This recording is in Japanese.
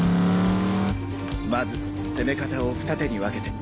まず攻方をふた手に分けて。